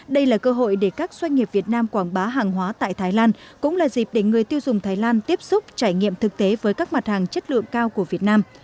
đây là cơ hội để các doanh nghiệp việt nam quảng bá hàng hóa tại thái lan cũng là dịp để người tiêu dùng thái lan tiếp xúc trải nghiệm thực tế với các mặt hàng chất lượng cao của việt nam